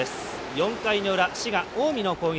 ４回の裏、滋賀、近江の攻撃。